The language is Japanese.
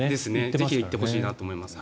ぜひ行ってほしいと思います。